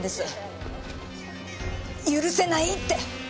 許せないって！